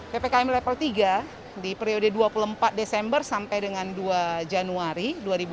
ppkm level tiga di periode dua puluh empat desember sampai dengan dua januari